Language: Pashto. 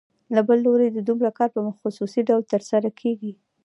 له بل لوري د دوی کار په خصوصي ډول ترسره کېږي